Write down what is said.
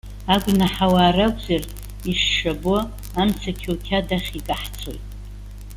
Агәнаҳауаа ракәзар, ишшабо амцақьоуқьад ахь икаҳцоит.